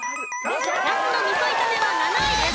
茄子の味噌炒めは７位です。